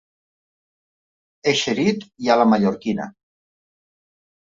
Eixerit i a la mallorquina.